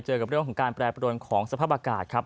กับเรื่องของการแปรปรวนของสภาพอากาศครับ